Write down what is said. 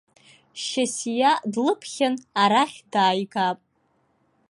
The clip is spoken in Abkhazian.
Шьасиа длыԥхьан арахь дааигап.